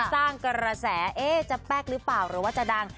สร้างกระแสจะแป๊กหรือเปล่าหรือว่าจะดัง